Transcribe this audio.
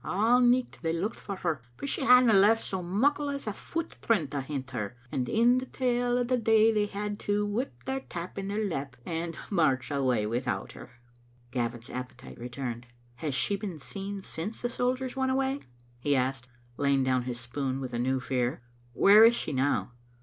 A' nicht they looked for her, but she hadna left so muckle as a foot print ahint her, and in the tail of the day they had to up wi' their tap in their lap and march awa without her." Gavin's appetite returned. " Has she been seen since the soldiers went away?" he asked, laying down his spoon with a new fear. " Where is she now?"